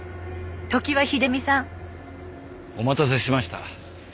常盤秀美さん。お待たせしました。